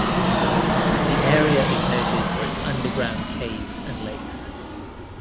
The area is noted for its underground caves and lakes.